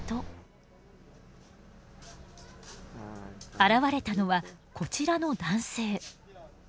現れたのはこちらの男性。